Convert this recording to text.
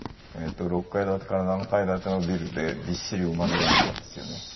６階建てから７階建てのビルでびっしり埋まるようなもんですよね。